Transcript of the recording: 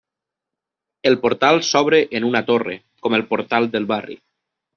El portal s'obre en una torre, com el Portal del Barri.